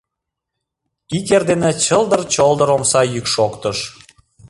Ик эрдене чылдыр-чолдыр омса йӱк шоктыш.